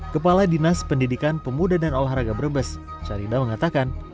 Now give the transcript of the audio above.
kepala dinas pendidikan pemuda dan olahraga brebes syarida mengatakan